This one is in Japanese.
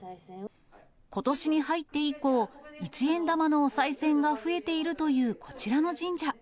ことしに入って以降、一円玉のおさい銭が増えているというこちらの神社。